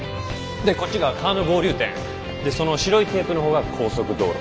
でこっちが川の合流点。でその白いテープの方が高速道路。